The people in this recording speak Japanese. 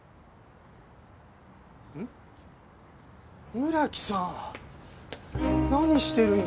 村木さん何してるんですか？